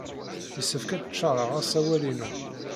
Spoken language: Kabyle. Yessefk ad d-ččaṛeɣ asawal-inu.